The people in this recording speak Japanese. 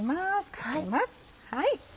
かけます。